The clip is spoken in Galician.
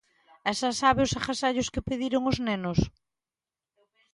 E xa sabe os agasallos que pediron os nenos.